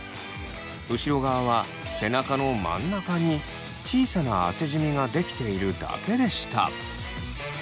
後ろ側は背中の真ん中に小さな汗じみが出来ているだけでした。